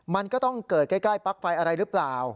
มันก็ต้องเกิดใกล้ปลั๊กไฟอะไรหรือเปล่า